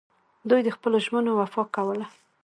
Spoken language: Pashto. دوی د خپلو ژمنو وفا کوله